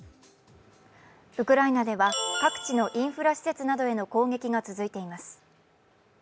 ウクライナでは各地のインフラ施設などへの攻撃が続いています。